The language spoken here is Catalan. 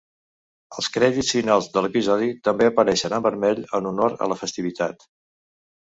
Els crèdits finals de l'episodi també apareixien en vermell en honor a la festivitat.